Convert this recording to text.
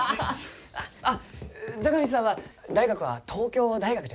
あっ孝光さんは大学は東京大学ですろうか？